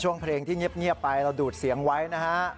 เพลงที่เงียบไปเราดูดเสียงไว้นะฮะ